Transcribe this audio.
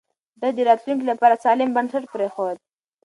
ده د راتلونکي لپاره سالم بنسټ پرېښود.